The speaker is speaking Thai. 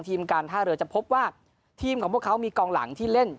การท่าเรือจะพบว่าทีมของพวกเขามีกองหลังที่เล่น